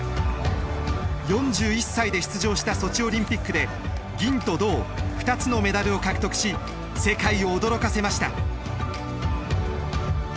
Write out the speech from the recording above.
４１歳で出場したソチオリンピックで銀と銅２つのメダルを獲得し世界を驚かせました。